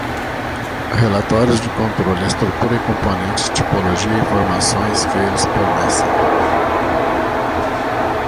Relatórios de controle: estrutura e componentes, tipologia, informações que eles fornecem.